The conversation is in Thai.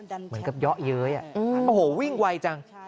เหมือนกับเยาะเย้ยโอ้โหวิ่งไวจัง